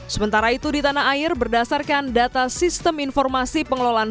sementara itu di tanah air berdasarkan data sistem informasi pengelolaan